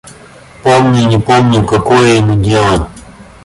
Помню, не помню... Какое ему дело?